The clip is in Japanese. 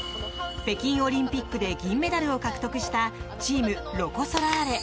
北京オリンピックで銀メダルを獲得したチーム、ロコ・ソラーレ。